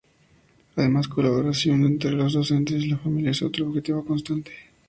Además, la colaboración entre los docentes y la familia es otro objetivo constante.